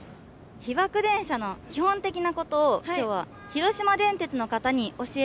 被爆電車の基本的なことを今日は広島電鉄の方に教えていただきたいと思います。